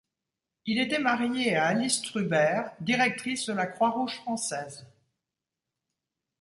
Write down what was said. Il était marié à Alice Trubert, directrice de la Croix-rouge française.